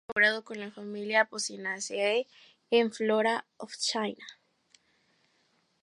Ha colaborado con la familia Apocynaceae en "Flora of China"